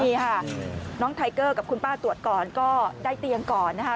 นี่ค่ะน้องไทเกอร์กับคุณป้าตรวจก่อนก็ได้เตียงก่อนนะคะ